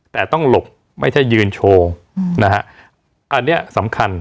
แต่ต้องหลบไม่ใช่ยืนโชว์นะฮะอันเนี้ยสำคัญ